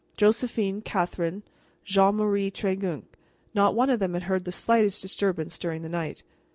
Josephine, Catherine, Jean Marie Tregunc, not one of them had heard the slightest disturbance during the night.